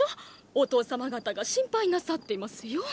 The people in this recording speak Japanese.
お父様方が心配なさっていますよ。